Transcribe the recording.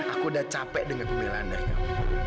aku udah capek dengan pembelaan dari kamu